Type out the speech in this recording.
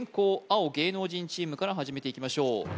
青芸能人チームから始めていきましょう